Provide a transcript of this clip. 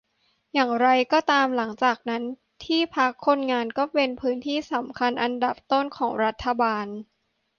อย่างไรก็ตามหลังจากนั้น ที่พักคนงานก็เป็นพื้นที่สำคัญอันดับต้นของรัฐบาล